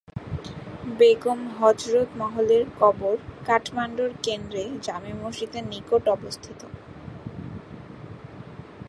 বেগম হজরত মহলের কবর কাঠমান্ডুর কেন্দ্রে জামে মসজিদের নিকটে অবস্থিত।